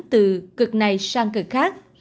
từ cực này sang cực khác